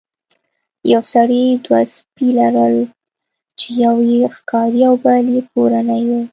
یو سړي دوه سپي لرل چې یو یې ښکاري او بل یې کورنی و.